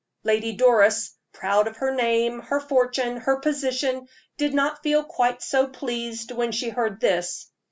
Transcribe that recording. Lady Doris, proud of her name, her fortune, her position, did not feel quite so pleased when she heard this.